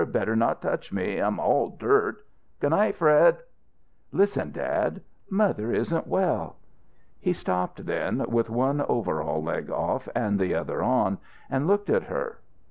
Better not touch me. I'm all dirt. G'night, Fred." "Listen, dad. Mother isn't well." He stopped then, with one overall leg off and the other on, and looked at her.